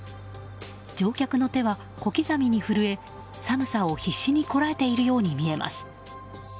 乗客の手は小刻みに震え寒さを必死にこらえているように見えます。